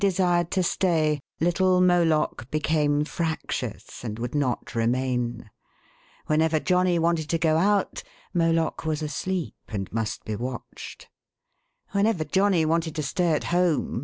449 desired to stay, little Moloch became fractious, and would not remain. Whenever Johnny wanted to go out, Moloch Whenever Johnny wanted to stay at home